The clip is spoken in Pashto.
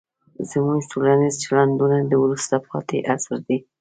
زموږ ټولنیز چلندونه د وروسته پاتې عصر دي.